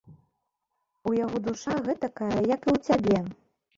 У яго душа гэтакая, як і ў цябе!